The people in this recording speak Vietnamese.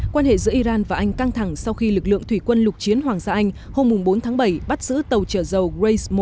quan hệ giữa iran và anh căng thẳng sau khi lực lượng thủy quân lục chiến hoàng gia anh hôm bốn tháng bảy bắt giữ tàu trở dầu gray một